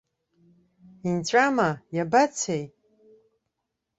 Инҵәама, иабацеи?